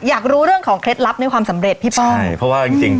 อยากรู้เรื่องของเคล็ดลับในความสำเร็จพี่ป้องใช่เพราะว่าจริงจริง